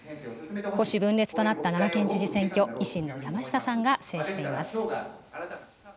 保守分裂となった奈良県知事選挙、維新の山下さんが制しています。